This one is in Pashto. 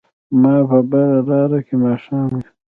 په ما به لاره کې ماښام وي